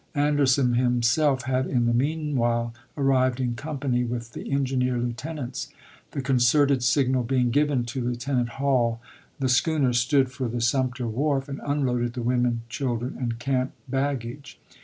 Anderson himself had in the mean while arrived in company with the engineer lieu tenants; the concerted signal being given to Lieutenant Hall, the schooner stood for the Sumter wharf and unloaded the women, children, and camp baggage.